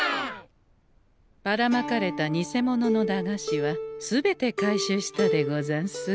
ばらまかれた偽物の駄菓子は全て回収したでござんす。